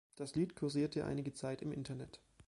Das Lied kursierte einige Zeit im Internet.